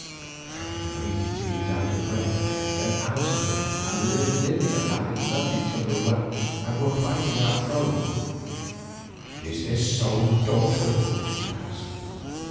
I waited till he was out of breath, then answered him that Lily and I loved each other well, and were plighting our troth. "Is this so, daughter?" he asked.